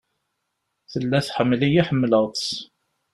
Tella tḥemmel-iyi ḥemmleɣ-tt.